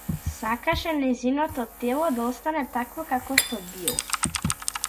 Сакаше нејзиното тело да остане такво какво што било.